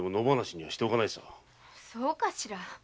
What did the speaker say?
そうかしら？